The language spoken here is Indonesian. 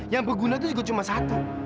yang berguna tuh cuma satu